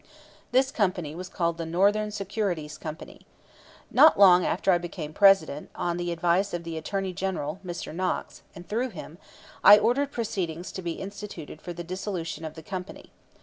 This company was called the Northern Securities Company. Not long after I became President, on the advice of the Attorney General, Mr. Knox, and through him, I ordered proceedings to be instituted for the dissolution of the company.